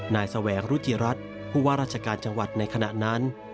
แสวงรุจิรัฐผู้ว่าราชการจังหวัดในขณะนั้น